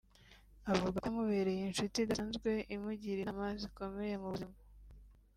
avuga ko yamubereye inshuti idasanzwe imugira inama zikomeye mu buzima